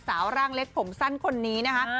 ร่างเล็กผมสั้นคนนี้นะคะ